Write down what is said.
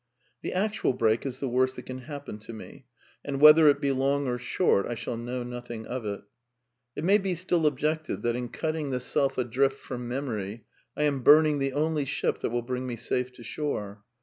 The actual break is the worst that can happen to me, and, whether it be long or short, I shall know nothing of it. It may be still objected that in cutting the self adrift from memory I am burning the only ship that wiU bring me safe to shore.